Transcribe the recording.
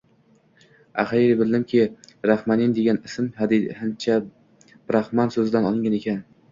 Axiyri bildimki, Raxmanin degan ism hindcha braxman so‘zidan olingan ekan.